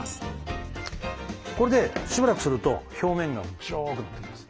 これでしばらくすると表面が白くなってきます。